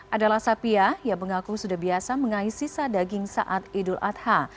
adalah sapiah yang mengaku sudah biasa mengaih sisa daging saat idul adha